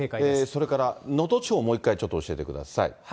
それから能登地方、もう一回ちょっと教えてください。